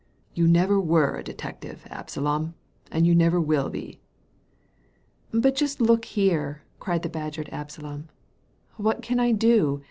You never were a detective, Absalom, and you never will be t '' ''But just look here/' cried the badgered AbsalooL " What can I do